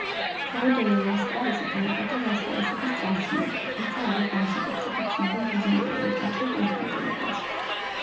თეოდორე ლასკარისი დაიბადა ლასკარისების წარჩინებულ, თუმცა არა განსაკუთრებით ცნობილ ბიზანტიურ ოჯახში კონსტანტინოპოლში.